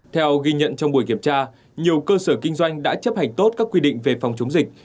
theo ghi nhận trong buổi kiểm tra nhiều cơ sở kinh doanh đã chấp hành tốt các quy định về phòng chống dịch